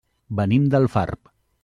Venim d'Alfarb.